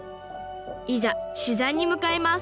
いざ取材に向かいます！